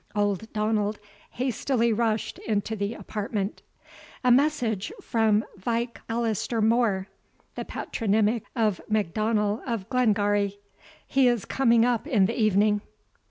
Old Donald hastily rushed into the apartment. "A message from Vich Alister More; [The patronymic of MacDonell of Glengarry.] he is coming up in the evening."